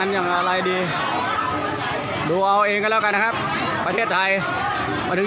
อย่างอะไรดีดูเอาเองก็แล้วกันนะครับประเทศไทยมาถึง